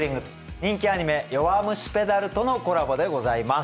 人気アニメ「弱虫ペダル」とのコラボでございます。